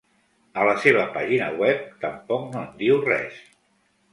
A la seva pàgina web tampoc no en diu res.